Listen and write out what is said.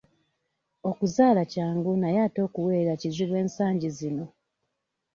Okuzaala kyangu naye ate okuweerera kizibu ensangi zino.